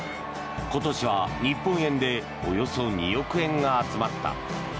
今年は日本円でおよそ２億円が集まった。